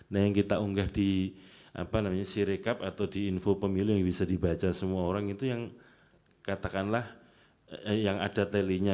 nah yang kita unggah di sirekap atau di info pemilu yang bisa dibaca semua orang itu yang katakanlah yang ada telingnya